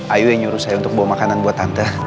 ayo yang nyuruh saya untuk bawa makanan buat tante